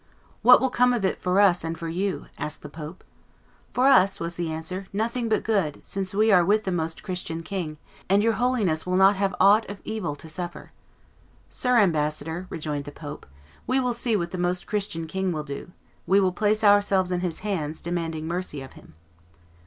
"What will come of it for us and for you?" asked the pope. "For us," was the answer, "nothing but good, since we are with the Most Christian king; and your Holiness will not have aught of evil to suffer." "Sir Ambassador," rejoined the pope, "we will see what the Most Christian king will do; we will place ourselves in his hands, demanding mercy of him."